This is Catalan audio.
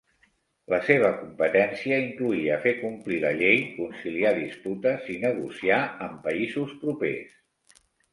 La seva competència incloïa fer complir la llei, conciliar disputes i negociar amb països propers.